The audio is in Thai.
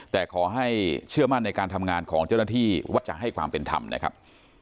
แต่ขอให้เชื่อมั่นในการทำงานของเจ้าหน้าที่ว่าจะให้ความเป็นธรรมนะครับ